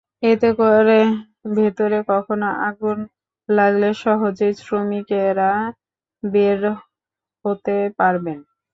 এতে করে ভেতরে কখনো আগুন লাগলে সহজেই শ্রমিকেরা বের হতে পারবেন।